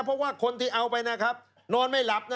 เพราะคนที่เอาไปนอนไม่หลับ